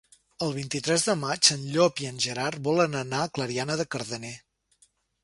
El vint-i-tres de maig en Llop i en Gerard volen anar a Clariana de Cardener.